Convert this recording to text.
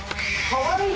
はい。